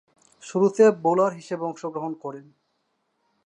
শুরুতে বোলার হিসেবে অংশগ্রহণ করেন।